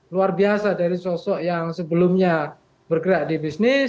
luar biasa dari sosok yang sebelumnya bergerak di bisnis